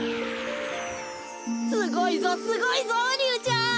すごいぞすごいぞリュウちゃん！